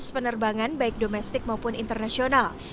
dua belas penerbangan baik domestik maupun internasional